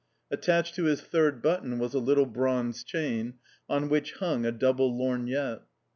Attached to his third button was a little bronze chain, on which hung a double lorgnette.